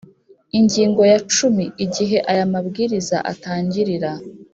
Ingingo ya cumi Igihe aya mabwiriza atangirira